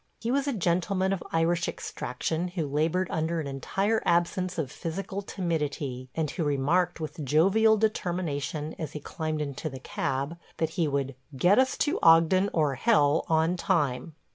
He was a gentleman of Irish extraction who labored under an entire absence of physical timidity, and who remarked with jovial determination, as he climbed into the cab, that he would "get us to Ogden – or hell, on time."